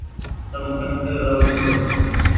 تم ڪٺ رهو ڇو ۔